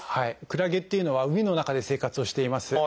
クラゲっていうのは海の中で生活をしています。